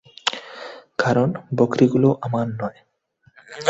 কারণ বকরীগুলো আমার নয়।